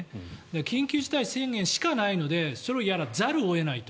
緊急事態宣言しかないのでそれをやらざるを得ないと。